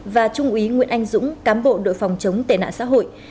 và trung úy nguyễn anh dũng cám bộ đội phòng chống tệ nạn xã hội